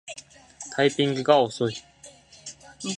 タイピングが遅い